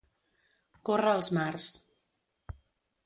Córrer els mars.